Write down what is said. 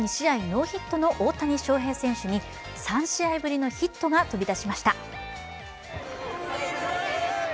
ノーヒットの大谷翔平選手に３試合ぶりのヒットが飛び出しました。